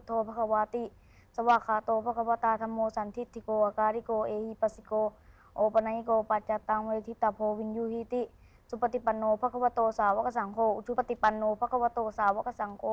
ถ้าให้สวดตอนนี้เป็นบางข้อนได้ไหมลูก